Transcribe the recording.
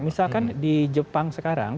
misalkan di jepang sekarang